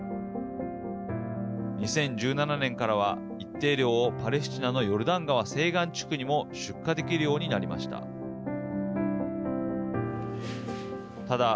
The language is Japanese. ２０１７年からは一定量をパレスチナのヨルダン川西岸地区にも出荷できるようになりました。